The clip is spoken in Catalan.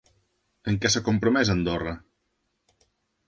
En què s'ha compromès Andorra?